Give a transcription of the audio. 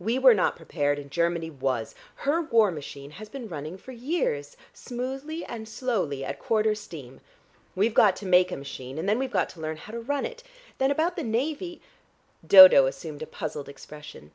We were not prepared, and Germany was. Her war machine has been running for years, smoothly and slowly, at quarter steam. We've got to make a machine, and then we've got to learn how to run it. Then about the navy " Dodo assumed a puzzled expression.